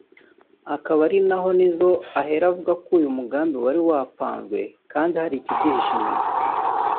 akaba ari naho Nizzo ahera avuga ko uyu ari umugambi wari wapanzwe kandi hari ikibyihishe inyuma